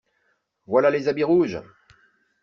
Voilà les habits rouges!